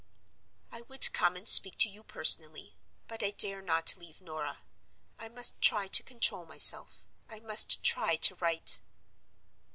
"I would come and speak to you personally; but I dare not leave Norah. I must try to control myself; I must try to write.